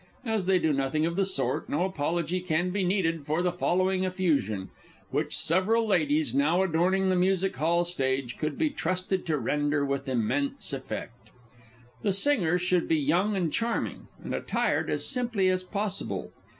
As they do nothing of the sort, no apology can be needed for the following effusion, which several ladies now adorning the Music hall stage could be trusted to render with immense effect. The singer should be young and charming, and attired as simply as possible.